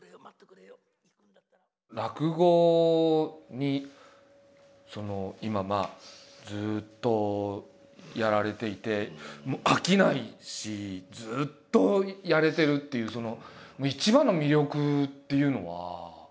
落語に今ずっとやられていて飽きないしずっとやれてるっていううん。